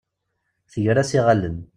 Tger-as iɣallen.